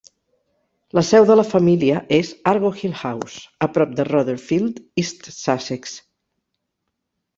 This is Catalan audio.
La seu de la família és Argo Hill House, a prop de Rotherfield, East Sussex.